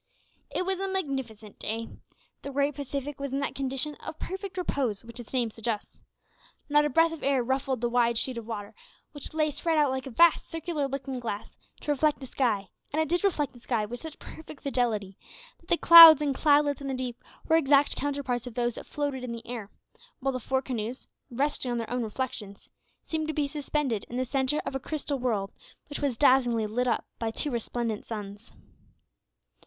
It was a magnificent day. The great Pacific was in that condition of perfect repose which its name suggests. Not a breath of air ruffled the wide sheet of water, which lay spread out like a vast circular looking glass to reflect the sky, and it did reflect the sky with such perfect fidelity, that the clouds and cloudlets in the deep were exact counterparts of those that floated in the air, while the four canoes, resting on their own reflections, seemed to be suspended in the centre of a crystal world, which was dazzlingly lit up by two resplendent suns.